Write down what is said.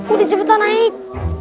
udah cepetan naik